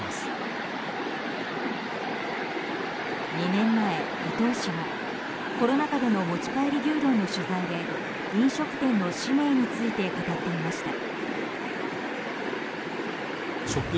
２年前、伊東氏がコロナ禍での持ち帰り牛丼の取材で飲食店の使命について語っていました。